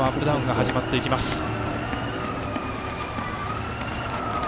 ダウンが始まっていきます。